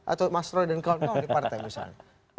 atau mas roy dan koldo di partai misalnya